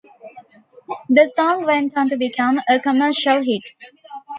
The song went on to become a commercial hit.